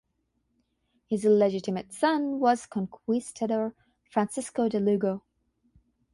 His illegitimate son was "conquistador" Francisco de Lugo.